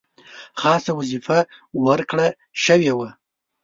خاصه وظیفه ورکړه شوې وه.